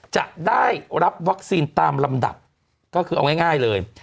จะได้รับวัคซีนตามลำดับก็คือเอาง่ายเลย